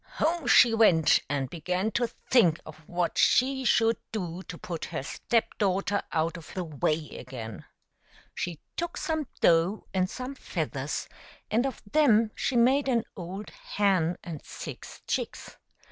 Home she went and began to think of what she should do to put her step daughter out of the way again. 156 THE STEP MOTHER. She took some dough and some feathers, and of them she made an old hen and six chicks.